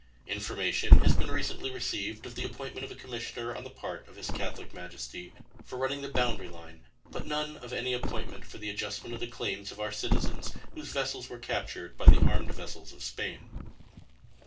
Information has been recently received of the appointment of a commissioner on the part of His Catholic Majesty for running the boundary line, but none of any appointment for the adjustment of the claims of our citizens whose vessels were captured by the armed vessels of Spain.